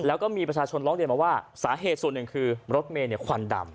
แล้วก็มีประชาชนหลอกเรียนมาสาเหตุสูตรนึงคือรถเมนฝันดำ